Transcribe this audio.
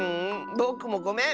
ぼくもごめん！